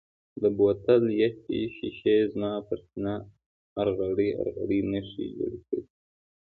د بوتل یخې شیشې زما پر سینه ارغړۍ ارغړۍ نښې جوړې کړې.